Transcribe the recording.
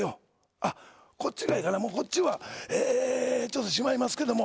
あっ、こっちがええかな、もうこっちはえっと、ちょっとしまいますけども。